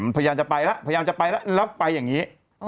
มันพยายามจะไปแล้วจริงแล้วไปอย่างงี้